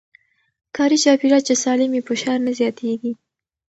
کاري چاپېريال چې سالم وي، فشار نه زياتېږي.